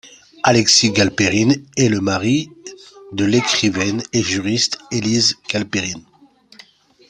Alexis Galpérine est le mari de l'écrivaine et juriste Élise Galpérine.